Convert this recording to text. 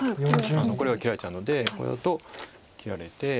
これ切られちゃうのでこうやると切られて。